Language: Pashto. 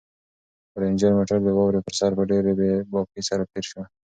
رنجر موټر د واورې پر سر په ډېرې بې باکۍ سره تېر شو.